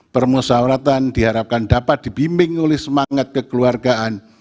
permusawaratan diharapkan dapat dibimbing oleh semangat kekeluargaan